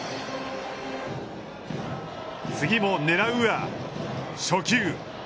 次も狙うは初球。